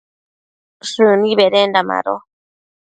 shëni bedenda mado